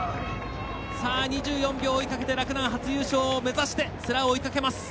２４秒追いかけて、洛南初優勝を目指して世羅を追いかけます。